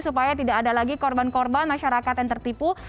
supaya tidak ada lagi korban korban masyarakat yang tertipu